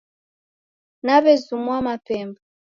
Daw'ezumua mapemba